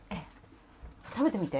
食べてみて。